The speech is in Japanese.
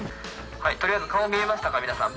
とりあえず、顔見えましたか、皆さん。